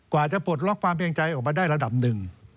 กว่าจะปลดล็อกความเกรงใจออกมาได้ระดับหนึ่ง